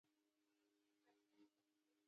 دوی به له علماوو سره ډوډۍ خوړه.